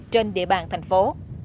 trên địa bàn thành phố